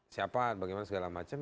siapa bagaimana segala macam